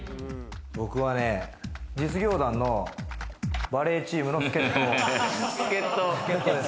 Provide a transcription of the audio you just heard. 僕はね、実業団のバレーチームの助っ人。